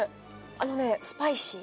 あのねスパイシー。